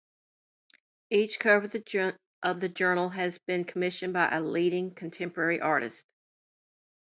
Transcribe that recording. Each cover of the journal has been commissioned by a leading contemporary artist.